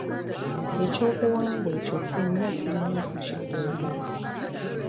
Ekyobuwangwa ekyo ffenna tulina okukikuuma.